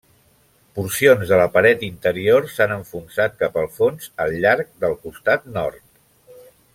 Porcions de la paret interior s'han enfonsat cap al fons al llarg del costat nord.